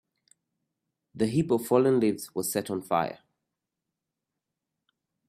The heap of fallen leaves was set on fire.